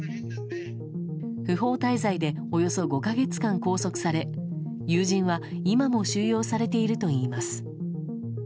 不法滞在でおよそ５か月間、拘束され友人は今も収容されているといいます。